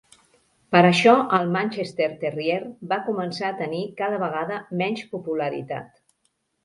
Per això el Manchester terrier va començar a tenir cada vegada menys popularitat.